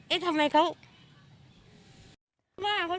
เอ๊ะทำไมเขา